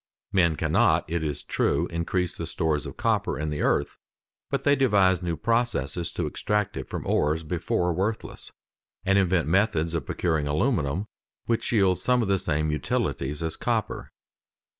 Men cannot, it is true, increase the stores of copper in the earth, but they devise new processes to extract it from ores before worthless, and invent methods of procuring aluminium, which yields some of the same utilities as copper.